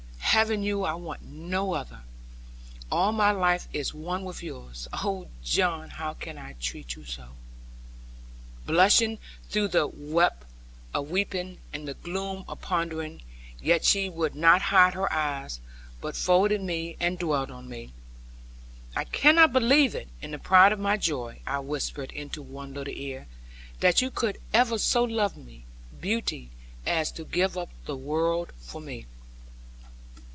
Having you I want no other. All my life is one with yours. Oh, John, how can I treat you so?' Blushing through the wet of weeping, and the gloom of pondering, yet she would not hide her eyes, but folded me, and dwelled on me. 'I cannot believe,' in the pride of my joy, I whispered into one little ear, 'that you could ever so love me, beauty, as to give up the world for me.'